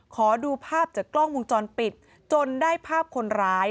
ขอดูภาพจากกล้องวงจรปิดจนได้ภาพคนร้าย